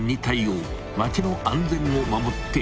［町の安全を守っている］